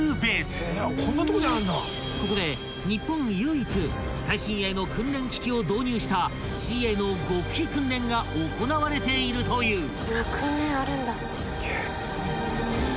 ［ここで日本唯一最新鋭の訓練機器を導入したＣＡの極秘訓練が行われているという］